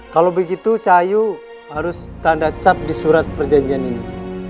kalau begitu cahayu harus tanda cap di surat perjanjian ini